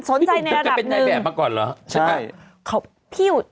สนใจในระดับหนึ่งใช่ไหมคือเป็นหัวแดงมาก่อนเหรอ